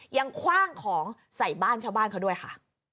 คว่างของใส่บ้านชาวบ้านเขาด้วยค่ะ